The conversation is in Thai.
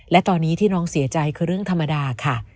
และตอนนี้ที่น้องเสียใจคือเรื่องธรรมดาค่ะ